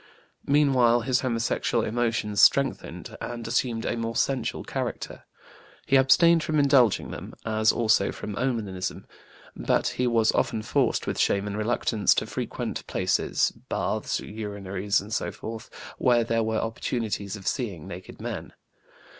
Meanwhile his homosexual emotions strengthened, and assumed a more sensual character. He abstained from indulging them, as also from onanism, but he was often forced, with shame and reluctance, to frequent places baths, urinaries, and so forth where there were opportunities of seeing naked men.